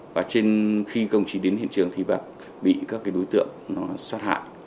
và khi công chí đến hiện trường thì bị các đối tượng nó sát hạ